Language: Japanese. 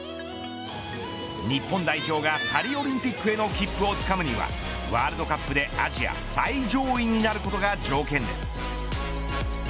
日本代表がパリオリンピックへの切符をつかむにはワールドカップでアジア最上位になることが条件です。